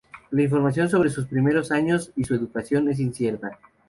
La información sobre su primeros años y su educación es incierta.